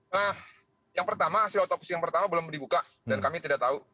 nah yang pertama hasil otopsi yang pertama belum dibuka dan kami tidak tahu